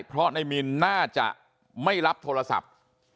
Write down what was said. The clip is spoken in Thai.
เพราะนายมินน่าจะไม่รับโทรศัพท์